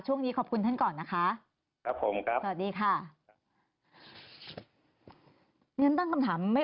ช่วงนี้ขอบคุณท่านก่อนนะคะ